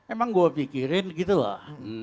emang gue pikirin gitu lah